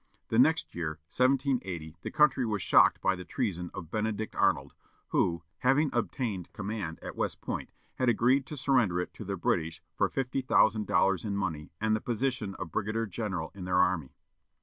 The next year, 1780, the country was shocked by the treason of Benedict Arnold, who, having obtained command at West Point, had agreed to surrender it to the British for fifty thousand dollars in money and the position of brigadier general in their army.